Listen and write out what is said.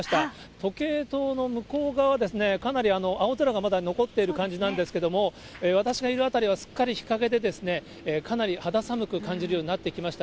時計塔の向こう側ですね、かなり青空がまだ残っている感じなんですけれども、私がいる辺りはすっかり日陰で、かなり肌寒く感じるようになってきました。